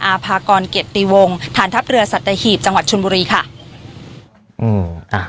อาภากรเกียรติวงฐานทัพเรือสัตหีบจังหวัดชนบุรีค่ะอืมอ่า